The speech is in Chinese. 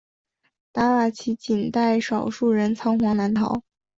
达瓦齐仅带少数人仓皇南逃。